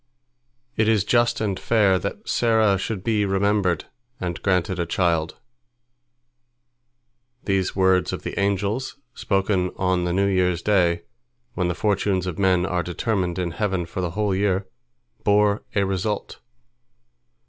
It is just and fair that Sarah should be remembered and granted a child." These words of the angels, spoken on the New Year's Day, when the fortunes of men are determined in heaven for the whole year, bore a result.